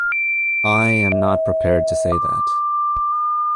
I am not prepared to say that.